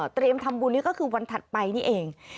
ทำบุญนี่ก็คือวันถัดไปนี่เอง